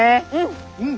うん。